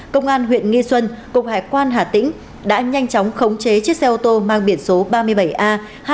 công an huyện nghi xuân cục hải quan hà tĩnh đã nhanh chóng khống chế chiếc xe ô tô mang biển số ba mươi bảy a hai mươi bảy nghìn một trăm sáu mươi sáu